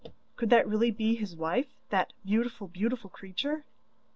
Could that really be his wife that beautiful, beautiful creature?